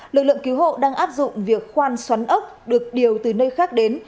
lực lượng cứu hộ đang áp dụng việc khoan xoắn ốc được điều từ nơi khác đến